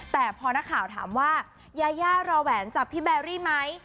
แต่พอนักข่าวถามว่ายายารอแหวนจับพี่แบรี่ไหม